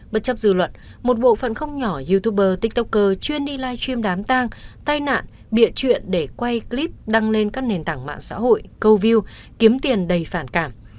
bất chấp dự luật một bộ phận không nhỏ youtuber tiktoker chuyên đi live stream đám tang tai nạn bịa chuyện để quay clip đăng lên các nền tảng mạng xã hội câu view kiếm tiền đầy phản cảm